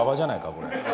これ。